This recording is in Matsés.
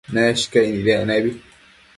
Neshcaic nidec nebi